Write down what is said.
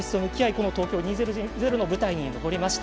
この東京２０２０の舞台に上りました。